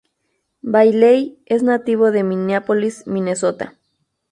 Bailey es nativo de Minneapolis, Minnesota.